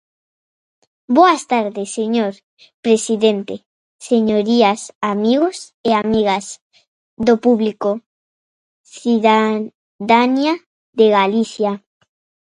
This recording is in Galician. Boas tardes, señor presidente, señorías, amigos e amigas do público, cidadanía de Galicia.